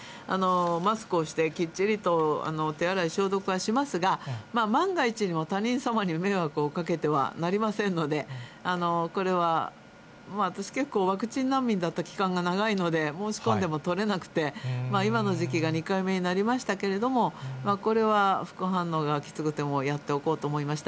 マスクをしてきっちりと手洗い、消毒はしますが、万が一にも他人様に迷惑をかけてはなりませんので、これは私、結構、ワクチン難民だった期間が長いので、申し込んでも取れなくて、今の時期が２回目になりましたけれども、これは副反応がきつくてもやっておこうと思いました。